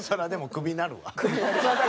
クビになりました。